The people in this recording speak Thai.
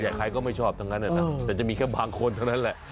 แต่ใครก็ไม่ชอบทั้งนั้นแต่จะมีแค่บางคนเท่านั้นแหละ